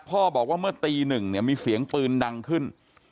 พ่อบอกว่าเมื่อตี๑นี่มีเสียงปืนดังขึ้น